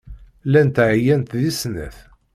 Llant ɛyant deg snat.